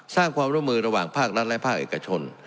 สร้างความร่วมมือระหว่างภาครัฐและภาคเอกชน